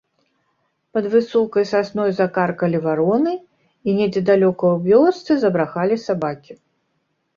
Пад высокай сасной закаркалі вароны, і недзе далёка ў вёсцы забрахалі сабакі.